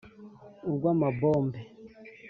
urw'amabombe